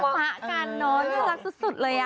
ความรักษากันเนอะน่ารักสุดเลยอ่ะ